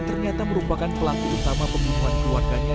ternyata merupakan pelaku utama pembunuhan keluarganya